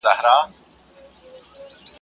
o ړنده سترگه څه ويښه، څه بيده.